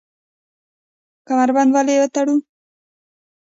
کمربند ولې وتړو؟